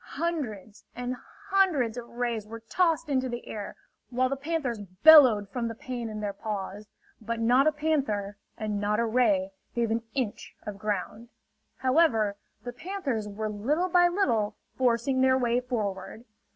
Hundreds and hundreds of rays were tossed into the air, while the panthers bellowed from the pain in their paws. But not a panther and not a ray gave an inch of ground. However, the panthers were little by little forcing their way forward.